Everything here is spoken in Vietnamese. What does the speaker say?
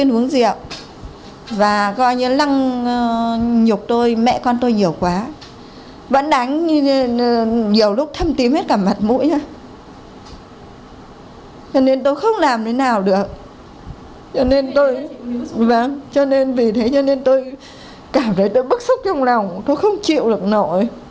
vâng cho nên vì thế cho nên tôi cảm thấy tôi bức xúc trong lòng tôi không chịu được nội